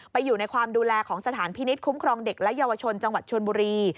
อยู่ในความดูแลของสถานพินิษฐคุ้มครองเด็กและเยาวชนจังหวัดชนบุรี